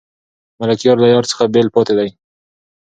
ملکیار له یار څخه بېل پاتې دی.